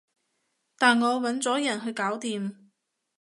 但我搵咗人去搞掂